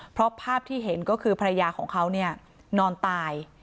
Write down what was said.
เพราะภาพที่เห็นก็คือภรรยาของเขาเนี่ยนอนตาย